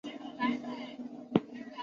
特色产品裕民泡菜。